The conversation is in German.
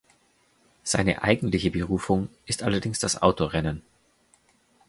Seine eigentliche Berufung ist allerdings das Autorennen.